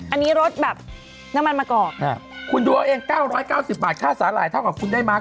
อันนี้รสแบบน้ำมันมะกอกคุณดูเอาเอง๙๙๐บาทค่าสาหร่ายเท่ากับคุณได้มา